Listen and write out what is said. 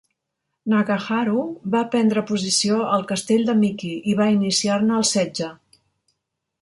Nagaharu va prendre posició al castell de Miki, i va inciar-ne el setge.